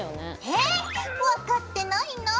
えっ！分かってないな。